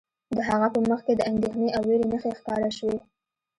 د هغه په مخ کې د اندیښنې او ویرې نښې ښکاره شوې